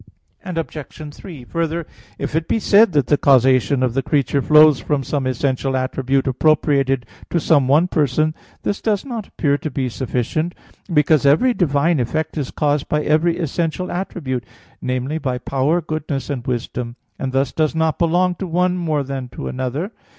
Obj. 3: Further, if it be said that the causation of the creature flows from some essential attribute appropriated to some one Person, this does not appear to be sufficient; because every divine effect is caused by every essential attribute viz. by power, goodness and wisdom and thus does not belong to one more than to another.